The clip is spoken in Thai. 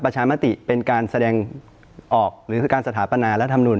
ประชามติเป็นการแสดงออกหรือคือการสถาปนารัฐมนุน